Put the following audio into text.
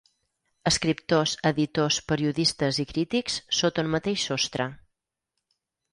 Escriptors, editors, periodistes i crítics sota un mateix sostre.